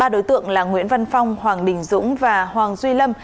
ba đối tượng là nguyễn văn phong hoàng đình dũng và hoàng duy lâm